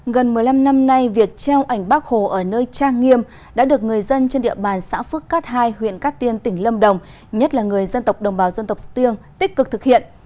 gần một mươi năm năm nay việc treo ảnh bác hồ ở nơi trang nghiêm đã được người dân trên địa bàn xã phước cát hai huyện cát tiên tỉnh lâm đồng nhất là người dân tộc đồng bào dân tộc stiêng tích cực thực hiện